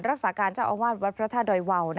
รักษาการเจ้าอาวาสวัดพระธาตุดอยวาว